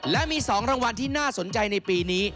และมี๒รางวัลที่น่าสนใจในปีนี้